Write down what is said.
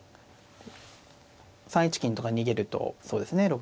３一金とか逃げるとそうですね